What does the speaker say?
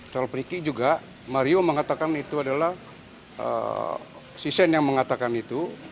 soal perikik juga mario mengatakan itu adalah si shane yang mengatakan itu